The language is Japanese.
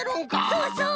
そうそう！